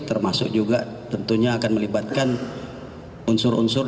termasuk juga tentunya akan melibatkan unsur unsur